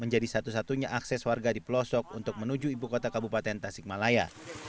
menjadi satu satunya akses warga di pelosok untuk menuju ibu kota kabupaten tasikmalaya